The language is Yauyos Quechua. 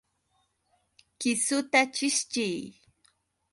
¡Kisuta chishchiy!